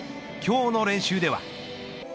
今日の練習では。